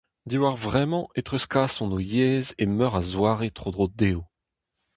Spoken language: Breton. Diwar vremañ e treuzkasont o yezh e meur a zoare tro-dro dezho.